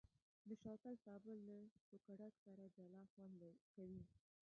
د شوتل سابه له سوکړک سره جلا خوند کوي.